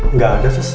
nggak ada sus